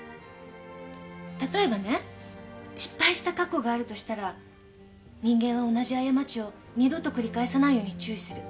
例えばね失敗した過去があるとしたら人間は同じ過ちを二度と繰り返さないように注意する。